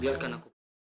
biar kan aku